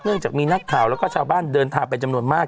จากมีนักข่าวแล้วก็ชาวบ้านเดินทางไปจำนวนมาก